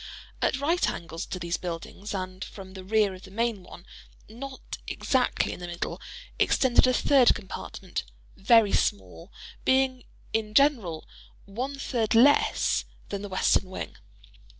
At right angles to these buildings, and from the rear of the main one—not exactly in the middle—extended a third compartment, very small—being, in general, one third less than the western wing.